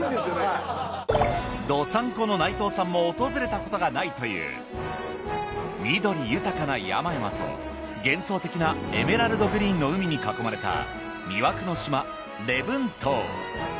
道産子の内藤さんも訪れたことがないという緑豊かな山々と幻想的なエメラルドグリーンの海に囲まれた魅惑の島礼文島。